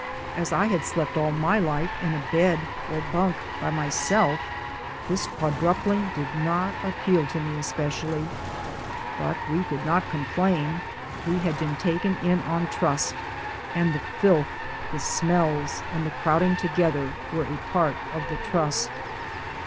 As I had slept all my life in a bed or bunk by myself this quadrupling did not appeal to me especially. But we could not complain. We had been taken in on trust, and the filth, the smells and the crowd ing together were a part of the trust.